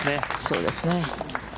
そうですね。